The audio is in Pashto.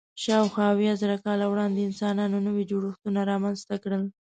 شاوخوا اویا زره کاله وړاندې انسانانو نوي جوړښتونه رامنځ ته کړل.